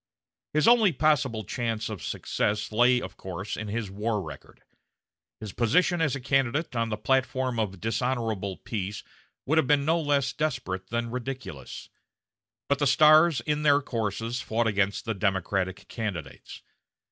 His only possible chance of success lay, of course, in his war record. His position as a candidate on a platform of dishonorable peace would have been no less desperate than ridiculous. But the stars in their courses fought against the Democratic candidates.